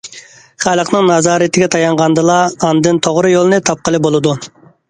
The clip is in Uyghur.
خەلقنىڭ نازارىتىگە تايانغاندىلا، ئاندىن توغرا يولنى تاپقىلى بولىدۇ.